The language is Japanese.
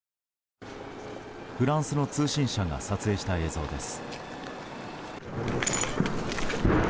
フランスの通信社が撮影した映像です。